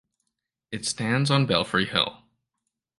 It stands on Belfry Hill.